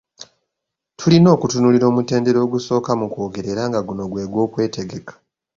Tulina okutunuulira omutendera ogusooka mu kwogera era nga guno gwe gw’okwetegeka.